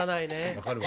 分かるわ。